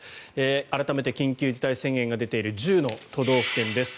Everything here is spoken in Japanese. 改めて、緊急事態宣言が出ている１０の都道府県です。